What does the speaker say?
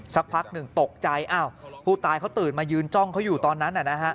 สักพักหนึ่งตกใจอ้าวผู้ตายเขาตื่นมายืนจ้องเขาอยู่ตอนนั้น